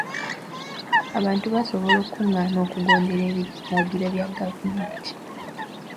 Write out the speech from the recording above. Abantu basobola okugaana okugondera ebiragiro bya gavumenti.